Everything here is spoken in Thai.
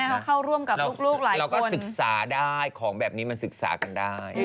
เขาเข้าร่วมกับลูกหลายคนเราก็ศึกษาได้ของแบบนี้มันศึกษากันได้